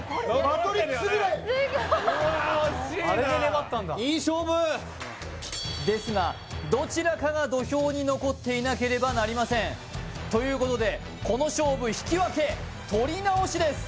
すごいうわ惜しいなあれで粘ったんだですがどちらかが土俵に残っていなければなりませんということでこの勝負引き分け取り直しです